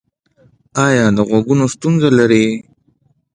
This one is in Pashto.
ایا د غوږونو ستونزه لرئ؟